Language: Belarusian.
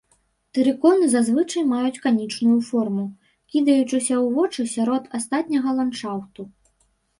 Тэрыконы зазвычай маюць канічную форму, кідаючыся ў вочы сярод астатняга ландшафту.